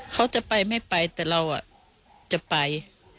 เขาจะไปไม่ไปแต่เราจะไป